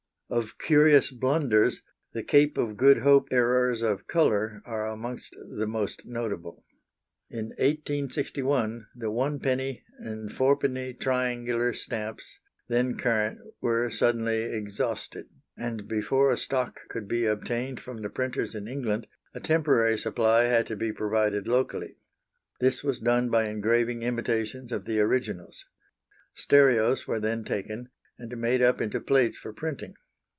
Of curious blunders, the Cape of Good Hope errors of colours are amongst the most notable. In 1861 the 1d. and 4d. triangular stamps, then current, were suddenly exhausted, and before a stock could be obtained from the printers in England, a temporary supply had to be provided locally. This was done by engraving imitations of the originals. Stereos were then taken, and made up into plates for printing.